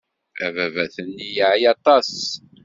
Ababat-nni yeɛya aṭas.